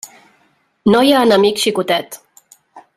No hi ha enemic xicotet.